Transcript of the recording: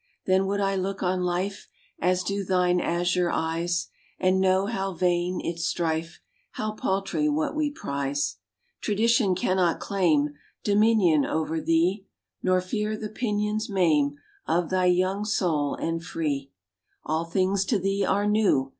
Then would I look on life As do thine azure eyes, And know how vain its strife, How paltry what we prize. Tradition cannot claim Dominion over thee, Nor fear the pinions maim Of thy young soul and free. All things to thee are new.